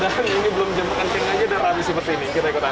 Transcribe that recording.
dan ini belum jempolkan tinggalnya dan habis seperti ini